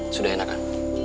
sudah enak kan